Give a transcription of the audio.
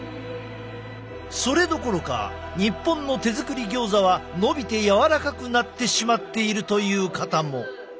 それどころか日本の手作りギョーザはのびて柔らかくなってしまっているという方も。